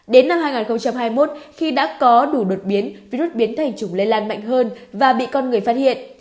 đến năm hai nghìn hai mươi một khi đã có đủ đột biến virus biến thành chủng lây lan mạnh hơn và bị con người phát hiện